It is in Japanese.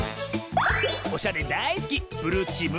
おしゃれだいすき